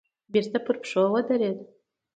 بېرته پر پښو ودرېد.